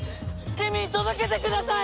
ケミー届けてください！